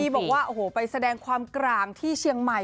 บอกว่าโอ้โหไปแสดงความกลางที่เชียงใหม่